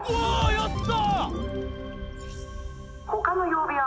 やった！」